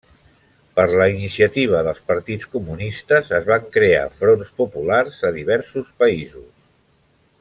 Per la iniciativa dels partits comunistes es van crear Fronts Populars a diversos països.